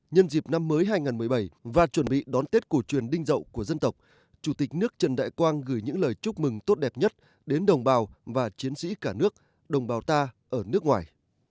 nhân dịp năm mới hai nghìn một mươi bảy và chuẩn bị đón tết cổ truyền đinh dậu của dân tộc chủ tịch nước trần đại quang gửi những lời chúc mừng tốt đẹp nhất đến đồng bào và chiến sĩ cả nước đồng bào ta ở nước ngoài